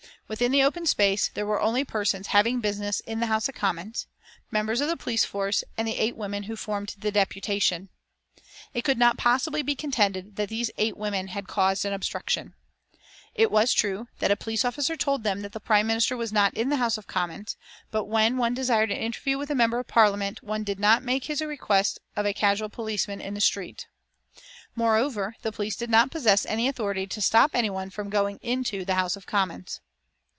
Within the open space there were only persons having business in the House of Commons, members of the police force and the eight women who formed the deputation. It could not possibly be contended that these eight women had caused an obstruction. It was true that a police officer told them that the Prime Minister was not in the House of Commons, but when one desired an interview with a Member of Parliament one did not make his request of a casual policeman in the street. Moreover, the police did not possess any authority to stop anyone from going into the House of Commons.